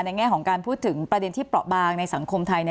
แง่ของการพูดถึงประเด็นที่เปราะบางในสังคมไทย